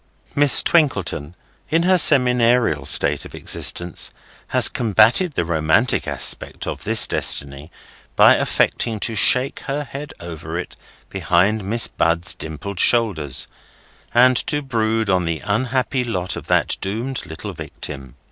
Miss Twinkleton, in her seminarial state of existence, has combated the romantic aspect of this destiny by affecting to shake her head over it behind Miss Bud's dimpled shoulders, and to brood on the unhappy lot of that doomed little victim.